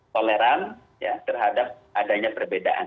toleran terhadap adanya perbedaan